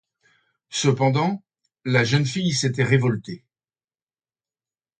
Cependant, la jeune fille s'était révoltée.